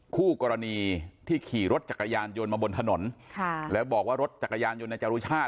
คู่กรณีที่ขี่รถจักรยานยนต์มาบนถนนค่ะแล้วบอกว่ารถจักรยานยนต์นายจรุชาติ